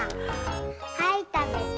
はいたべて。